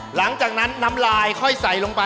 หลังจากนั้นน้ำลายค่อยใส่ลงไป